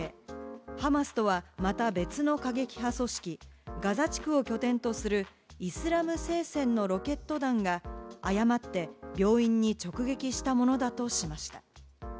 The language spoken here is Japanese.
ハマスとはまた別の過激派組織、ガザ地区を拠点とするイスラム聖戦のロケット弾が誤って病院に直撃したものだとしました。